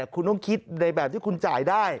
คุณต้องคิดในแบบที่คุณจ่ายได้